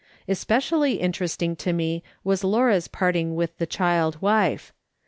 Especially interesting to me was Laura's part ing with the child wife.